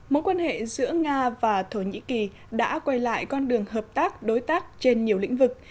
mối quan hệ giữa nga và thổ nhĩ kỳ đã quay lại con đường hợp tác đối tác trên nhiều lĩnh vực